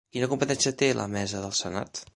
Quina competència té la mesa del senat?